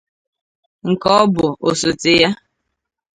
nke ọ bụ osote ya